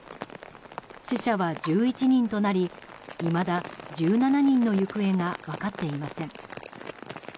死者は１１人となりいまだ１７人の行方が分かっていません。